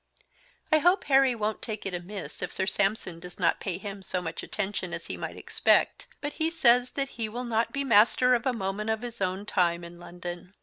I hope Harry wont take it amiss if Sir Sampson does not pay him so much Attention as he might expect; but he says that he will not be master of a moment of his own Time in London.